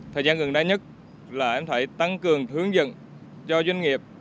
thời gian gần đây nhất là em phải tăng cường hướng dẫn cho doanh nghiệp